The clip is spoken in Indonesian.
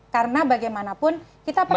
karena bagaimanapun kita percaya